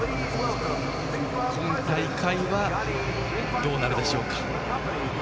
今大会はどうなるでしょうか。